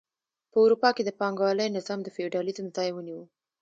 په اروپا کې د پانګوالۍ نظام د فیوډالیزم ځای ونیو.